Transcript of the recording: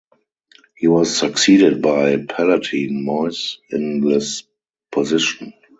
He was succeeded by Palatine Mojs in this position.